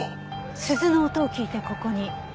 鈴の音を聞いてここに。